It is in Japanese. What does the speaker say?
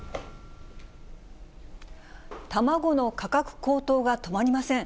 卵の価格高騰が止まりません。